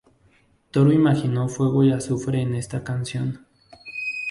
Toro imaginó fuego y azufre en esta canción.